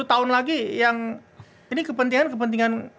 sepuluh tahun lagi yang ini kepentingan kepentingan